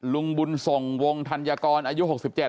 ลุงบุญส่งวงธัญกรอายุ๖๗